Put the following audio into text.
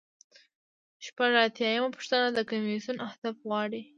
شپږ اتیا یمه پوښتنه د کمیسیون اهداف غواړي.